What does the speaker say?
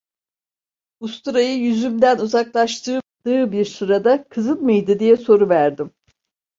Usturayı yüzümden uzaklaştırdığı bir sırada: "Kızın mıydı?" diye soruverdim.